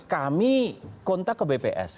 kami kontak ke bps